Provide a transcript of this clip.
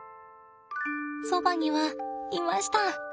そばにはいました。